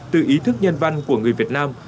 từ ý thức nhân văn của người việt nam